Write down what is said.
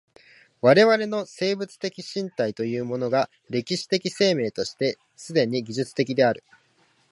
我々の生物的身体というものが歴史的生命として既に技術的である。